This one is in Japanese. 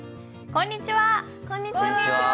こんにちは！